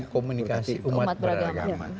komunikasi umat beragama